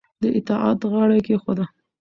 د اطاعت غاړه یې کېښوده